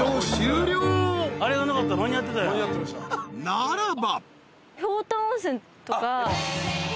［ならば］